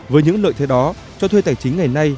với những lợi thế đó cho thuê tài chính ngày nay